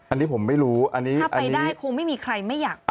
อันนี้ผมไม่รู้อันนี้ถ้าไปได้คงไม่มีใครไม่อยากไป